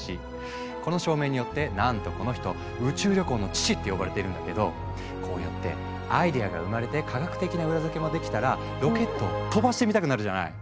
この証明によってなんとこの人「宇宙旅行の父」って呼ばれているんだけどこうやってアイデアが生まれて科学的な裏付けもできたらロケットを飛ばしてみたくなるじゃない？